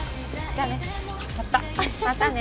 またね。